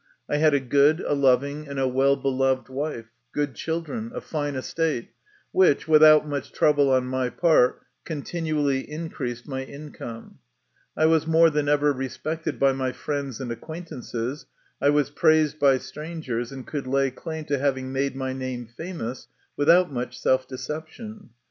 I had a good, a loving, and a well beloved wife, good children, a fine estate, which, without much trouble on my part, continually increased my income ; I was more than ever respected by my friends and acquaintances ; I was praised by strangers, and could lay claim to having made my name famous without much self deception.